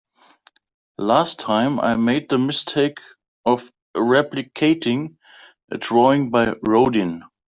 Last time, I made the mistake of replicating a drawing by Rodin.